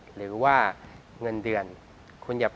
หรือว่าเงินเดือน